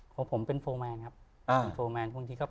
ของผมเป็นโฟร์แมนครับ